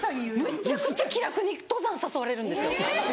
めちゃくちゃ気楽に登山誘われるんですよ。